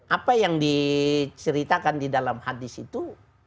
apa yang diceritakan di dalam hadis itu